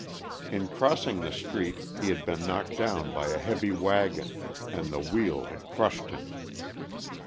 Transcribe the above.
In crossing the street, he had been knocked down by a heavy wagon, and the wheel had crushed him.